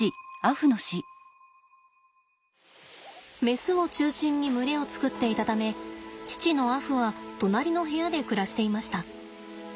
メスを中心に群れを作っていたため父のアフは隣の部屋で暮らしていました。